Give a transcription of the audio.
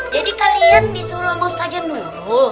jadi kalian disuruh ustazan nurul